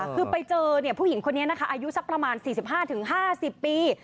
คือไปเจอผู้หญิงคนนี้นะคะอายุสักประมาณ๔๕๕๐ปี